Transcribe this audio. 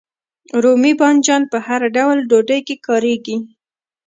رومي بانجان په هر ډول ډوډۍ کې کاریږي.